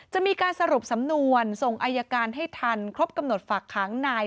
จะมีการสรุปสำนวนส่งอายการให้ทันครบกำหนดฝากขังนาย